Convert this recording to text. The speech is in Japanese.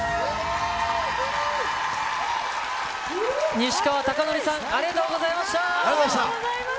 西川貴教さん、ありがとうごありがとうございました。